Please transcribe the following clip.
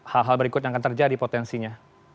hal hal berikut yang akan terjadi potensinya